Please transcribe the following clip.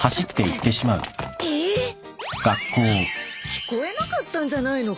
聞こえなかったんじゃないのか？